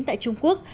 tại trung quốc